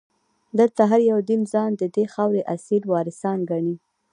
دلته هر یو دین ځان ددې خاورې اصلي وارثان ګڼي.